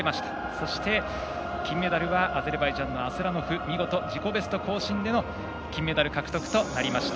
そして、金メダルはアゼルバイジャンのアスラノフが見事自己ベスト更新での金メダル獲得となりました。